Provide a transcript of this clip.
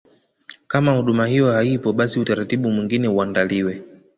Kama huduma hiyo haipo basi utaratibu mwingine uandaliwe